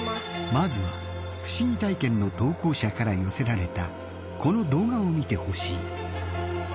まずは不思議体験の投稿者から寄せられたこの動画を見てほしい。